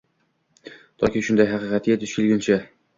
Toki shunday haqiqatga duch kelguncha